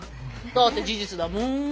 だって事実だもん。